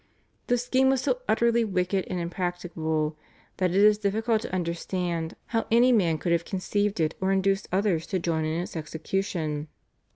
The scheme was so utterly wicked and impracticable, that it is difficult to understand how any man could have conceived it or induced others to join in its execution.